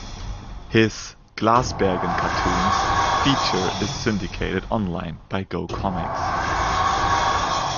His "Glasbergen Cartoons" feature is syndicated online by GoComics.